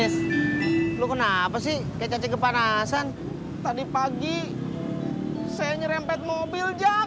nis lu kenapa sih kecocok kepanasan tadi pagi saya nyerempet mobil jak